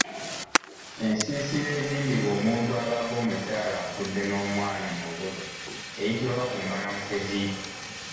Ensiisira ezimbibwa omuntu abaaga omukyala afudde n’omwana mu lubuto eyitibwa Bakumbanamusezi.